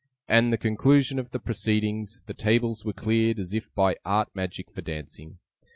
At the conclusion of the proceedings the tables were cleared as if by art magic for dancing.